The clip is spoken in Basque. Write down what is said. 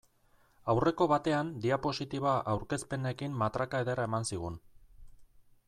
Aurreko batean diapositiba aurkezpenekin matraka ederra eman zigun.